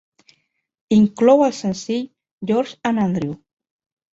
Inclou el senzill "George and Andrew".